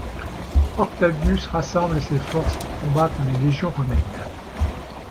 Octavius rassemble ses forces pour combattre les légions romaines.